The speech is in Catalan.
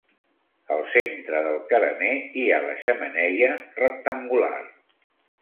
Al centre del carener hi ha la xemeneia, rectangular.